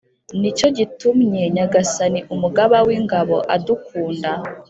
Ni cyo gitumye Nyagasani, Umugaba w’ingabo, adukunda